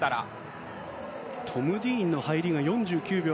トム・ディーンの入りが４９秒８１。